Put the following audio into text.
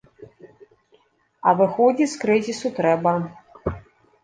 А выходзіць з крызісу трэба.